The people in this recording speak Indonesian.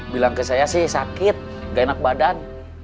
bilang ke saya sih sakit gak enak badan